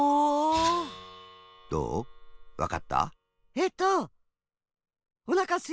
えっとおなかすいた？